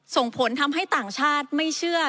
ส่งผลทำให้ต่างชาติไม่เชื่อ